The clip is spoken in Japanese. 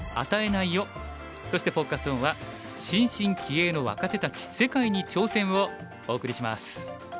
そしてフォーカス・オンは「新進気鋭の若手たち世界に挑戦！」をお送りします。